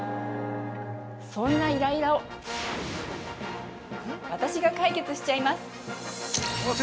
◆そんなイライラを私が解決しちゃいます。